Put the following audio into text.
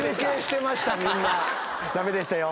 駄目でしたよ。